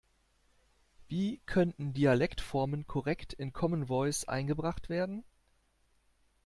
Wie könnten Dialektformen korrekt in Common Voice eingebracht werden?